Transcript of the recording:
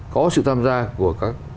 có sự tham gia của các